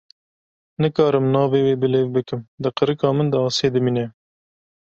Nikarim navê wê bilêv bikim, di qirika min de asê dimîne.